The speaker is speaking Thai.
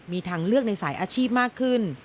มีทางเลือกในสายอาชีพมากขึ้น